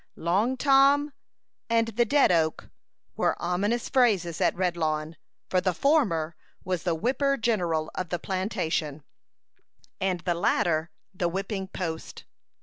"Long Tom" and the "dead oak" were ominous phrases at Redlawn, for the former was the whipper general of the plantation, and the latter the whipping post.